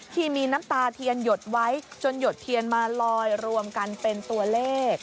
ที่มีน้ำตาเทียนหยดไว้จนหยดเทียนมาลอยรวมกันเป็นตัวเลข